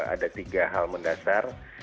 ada tiga hal mendasar